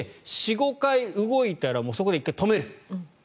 ４５回動いたらそこで１回止める。